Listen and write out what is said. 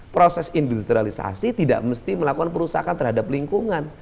proses industrialisasi tidak mesti melakukan perusahaan terhadap lingkungan